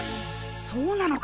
そうなのか！？